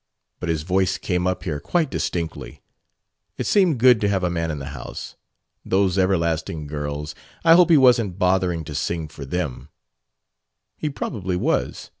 But his voice came up here quite distinctly. It seemed good to have a man in the house. Those everlasting girls I hope he wasn't bothering to sing for them." "He probably was.